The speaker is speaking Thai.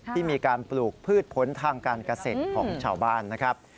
ที่มีการปลูกพืชผลทางการเกษตรของชาวบ้านนะครับ